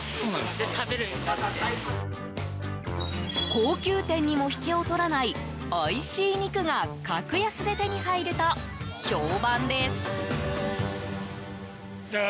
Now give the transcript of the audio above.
高級店にも引けを取らないおいしい肉が格安で手に入ると評判です。